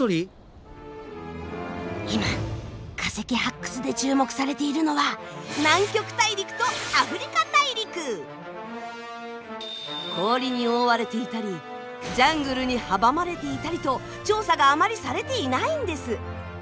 今化石発掘で注目されているのは氷に覆われていたりジャングルに阻まれていたりと調査があまりされていないんです。